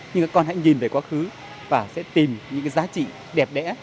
nhưng các con hãy nhìn về quá khứ và sẽ tìm những cái giá trị đẹp đẽ